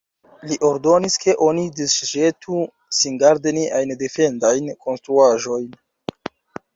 Li ordonis, ke oni disĵetu singarde niajn defendajn konstruaĵojn.